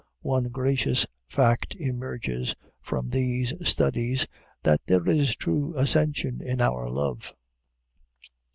One gracious fact emerges from these studies that there is true ascension in our love.